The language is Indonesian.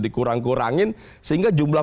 dikurang kurangin sehingga jumlah